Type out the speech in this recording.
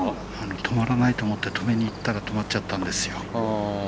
止まらないと思って止めにいったら止まっちゃったんですよ。